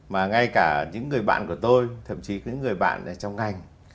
mà ngay cả những người bạn của tôi thậm chí những người bạn ở trong ngành